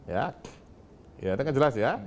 ya ya itu jelas ya